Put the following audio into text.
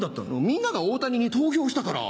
みんなが大谷に投票したから。